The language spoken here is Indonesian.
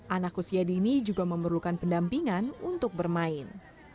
anak usia dini juga memerlukan pendampingan untuk bermain